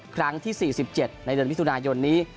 ครั้งที่๔๗ในเดือนมิถุนายนนี้